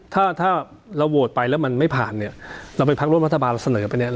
ถ้าถ้าเราโหวตไปแล้วมันไม่ผ่านเนี่ยเราเป็นพักร่วมรัฐบาลเราเสนอไปเนี่ย